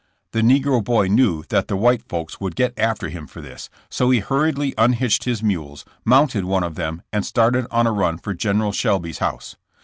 The negro boy knew that the white folks would get after him for this, so he hur riedly unhitched his mules, mounted one of them and started on a run for General Shelby's house.